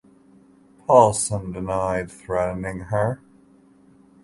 Paulsen denied threatening her.